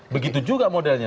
begitu juga modelnya